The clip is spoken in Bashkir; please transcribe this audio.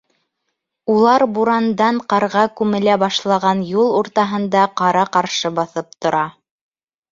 Улар бурандан ҡарға күмелә башлаған юл уртаһында ҡара-ҡаршы баҫып тора.